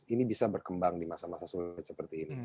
ini bisa berkembang di masa masa sulit seperti ini